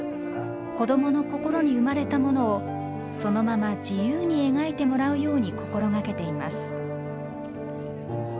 子どもの心に生まれたものをそのまま自由に描いてもらうように心掛けています。